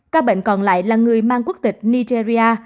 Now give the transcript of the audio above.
các bệnh còn lại là người mang quốc tịch nigeria